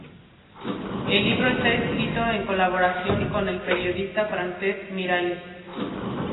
El libro está escrito en colaboración con el periodista Francesc Miralles.